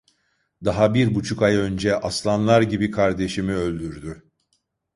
Daha bir buçuk ay önce aslanlar gibi kardeşimi öldürdü.